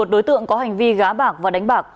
một mươi một đối tượng có hành vi gá bạc và đánh bạc